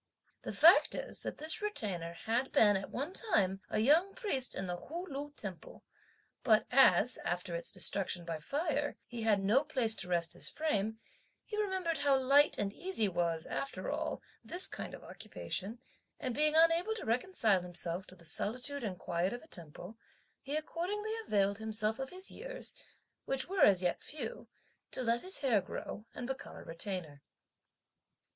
The fact is that this Retainer had been at one time a young priest in the Hu Lu temple; but as, after its destruction by fire, he had no place to rest his frame, he remembered how light and easy was, after all, this kind of occupation, and being unable to reconcile himself to the solitude and quiet of a temple, he accordingly availed himself of his years, which were as yet few, to let his hair grow, and become a retainer.